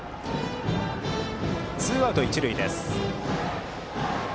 ツーアウト、一塁です。